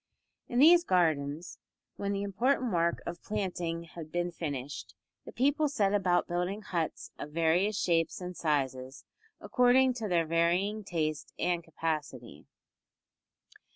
In these gardens, when the important work of planting had been finished, the people set about building huts of various shapes and sizes, according to their varying taste and capacity.